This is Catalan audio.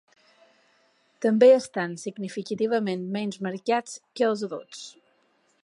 També estan significativament menys marcats que els adults.